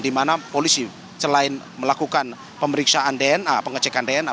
di mana polisi selain melakukan pemeriksaan dna pengecekan dna